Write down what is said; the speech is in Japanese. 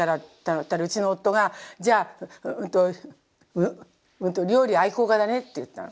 そしたらうちの夫が「じゃあ料理愛好家だね」って言ったの。